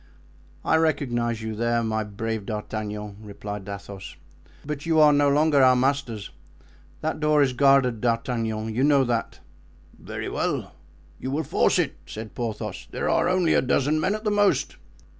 "I recognize you there, my brave D'Artagnan," replied Athos; "but you are no longer our masters. That door is guarded, D'Artagnan; you know that." "Very well, you will force it," said Porthos. "There are only a dozen men at the most."